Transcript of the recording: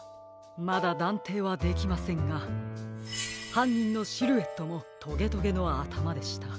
まだだんていはできませんがはんにんのシルエットもトゲトゲのあたまでした。